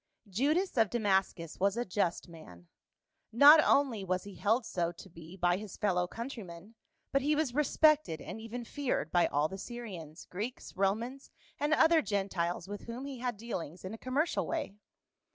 JUDAS of Damascus was a just man ; not only was he held so to be by his fellow countrymen, but he was respected aud even feared by all the Syrians, Greeks, Romans and other Gentiles with whom he had dealings in a commercial way.